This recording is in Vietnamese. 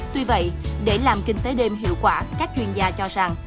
tuy vậy để làm kinh tế đêm hiệu quả các chuyên gia cho rằng